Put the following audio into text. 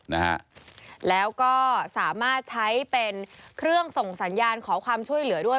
นะฮะแล้วก็สามารถใช้เป็นเครื่องส่งสัญญาณขอความช่วยเหลือด้วย